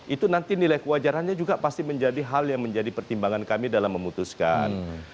itu nanti nilai kewajarannya juga pasti menjadi hal yang menjadi pertimbangan kami dalam memutuskan